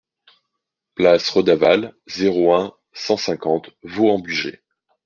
Place Redavalle, zéro un, cent cinquante Vaux-en-Bugey